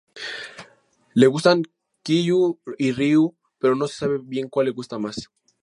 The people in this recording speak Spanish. Le gustan Kyu y Ryu pero no se sabe bien cual le gusta más.